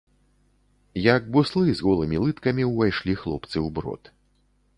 Як буслы, з голымі лыткамі ўвайшлі хлопцы ў брод.